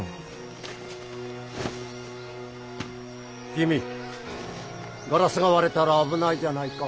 君ガラスが割れたら危ないじゃないか。